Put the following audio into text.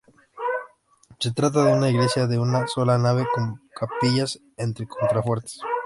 Se trata de una iglesia de una sola nave con capillas entre contrafuertes.